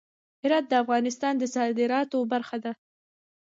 هرات د افغانستان د صادراتو برخه ده.